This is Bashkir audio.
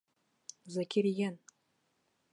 Закирйән!